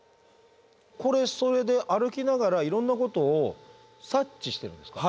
これそれで歩きながらいろんなことを察知してるんですか？